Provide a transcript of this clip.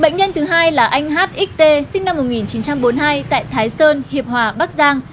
bệnh nhân thứ hai là anh h x t sinh năm một nghìn chín trăm bốn mươi hai tại thái sơn hiệp hòa bắc giang